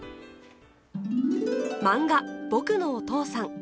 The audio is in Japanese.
漫画「ぼくのお父さん」。